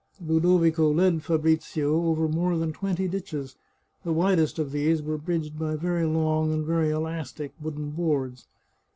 Ludovico led Fabrizio over more than twenty ditches; the widest of these were bridged by very long and very elastic wooden boards.